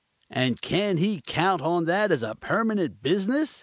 "And can he count on that as a permanent business?"